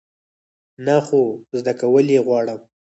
نه، خو زده کول یی غواړم